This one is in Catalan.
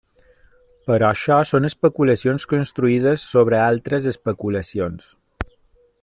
Però això són especulacions construïdes sobre altres especulacions.